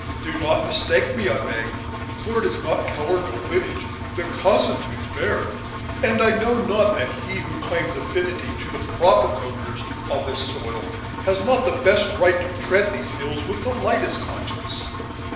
Do not mistake me, I beg, for it is not color nor lineage that constitutes merit; and I know not that he who claims affinity to the proper owners of this soil has not the best right to tread these hills with the lightest conscience."